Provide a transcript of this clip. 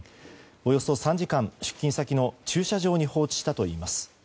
およそ３時間、出勤先の駐車場に放置したといいます。